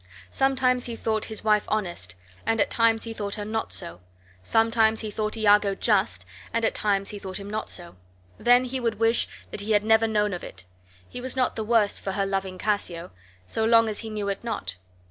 Sometimes he thought his wife honest, and at times he thought her not so; sometimes he thought Iago just, and at times he thought him not so; then he would wish that he had never known of it; he was not the worse for her loving Cassio, so long as he knew it not.